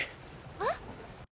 えっ？